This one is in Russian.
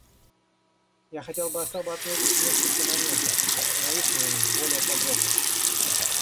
Я хотел бы особо отметить несколько моментов и остановиться на них более подробно.